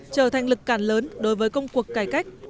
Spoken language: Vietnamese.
trở thành lực cản lớn đối với công cuộc cải cách